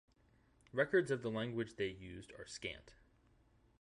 Records of the language they used are scant.